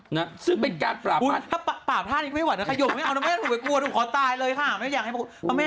หู้ยถ้าปราบท่านนี้ให้มายก็ประยบไม่เอาถูกขอตายเลยค่ะ